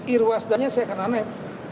irwasdanya saya akan aneh